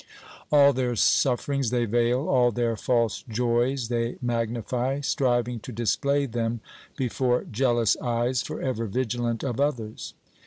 All their sufferings they veil, all their false joys they magnify, striv ing to display them before jealous eyes for ever vigilant of others.